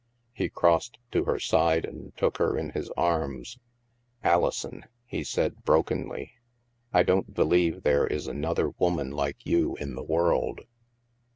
He crossed to her side and took her in his arms. " Alison," he said brokenly, '* I don't believe there is another woman like you in the world."